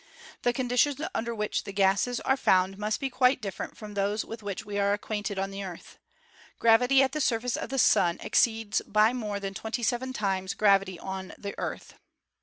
The conditions under which the gases are found must be quite different from those with which we are acquainted on the Earth. Gravity at the surface of the Sun exceeds by more than twenty seven times gravity on the Earth.